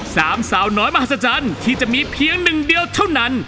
สาวน้อยมหัศจรรย์ที่จะมีเพียงหนึ่งเดียวเท่านั้น